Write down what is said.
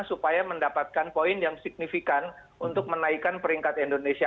supaya mendapatkan poin yang signifikan untuk menaikkan peringkat indonesia